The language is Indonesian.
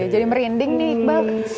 jadi merinding nih iqbal